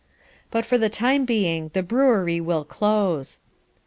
But for the time being the brewery will close.